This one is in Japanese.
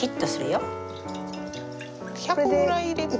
１００ぐらい入れて。